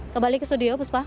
kembali ke studio bu supah